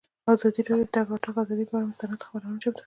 ازادي راډیو د د تګ راتګ ازادي پر اړه مستند خپرونه چمتو کړې.